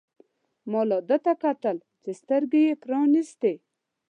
ما لا ده ته کتل چې سترګې يې پرانیستې.